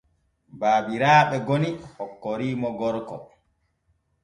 Babiraaɓe goni hokkoriimo gorko.